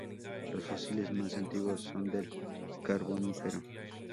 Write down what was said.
Los fósiles más antiguos son del Carbonífero.